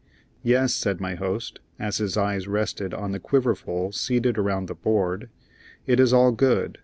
"Yes," said my host, as his eyes rested on the quiverful seated around the board, "it is all good.